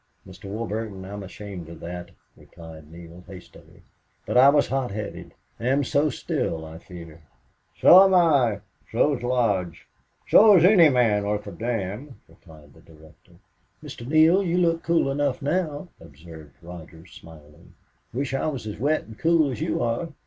"Mr. Warburton, I'm ashamed of that," replied Neale, hastily. "But I was hot headed... am so still, I fear." "So am I. So is Lodge. So is any man worth a damn," replied the director. "Mr. Neale, you look cool enough now," observed Rogers, smiling. "Wish I was as wet and cool as you are.